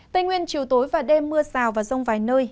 tây nguyên chiều tối và đêm mưa rào và rông vài nơi